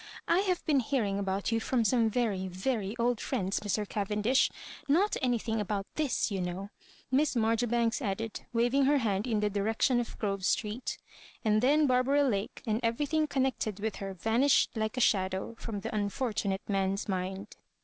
I have been bearing about you from some very, very old friends, Mr. Cavendish — not anything about ihiSy you know," Miss Marjoribanks added, wav ing her hand in the direction of Grove Street. And then Barbara Lak^ and everything con nected with her vanished like a shadow from tiie unfortunate man's mind.